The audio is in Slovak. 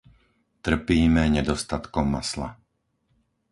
Trpíme nedostatkom masla.